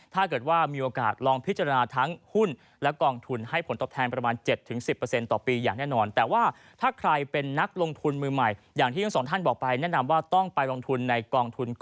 ถ้าเกิดว่ามีโอกาสลองพิจารณาทั้งหุ้นและกองทุน